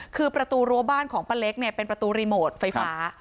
คือประตูรั้วบ้านของป้าเล็กเนี่ยเป็นประตูรีโมทไฟฟ้า